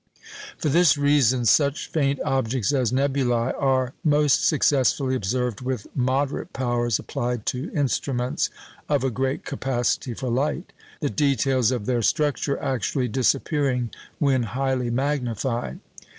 For this reason, such faint objects as nebulæ are most successfully observed with moderate powers applied to instruments of a great capacity for light, the details of their structure actually disappearing when highly magnified.